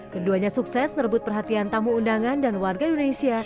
keduanya sukses merebut perhatian tamu undangan dan warga indonesia